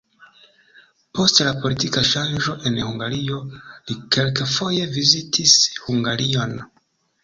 Post la politika ŝanĝo en Hungario li kelkfoje vizitis Hungarion.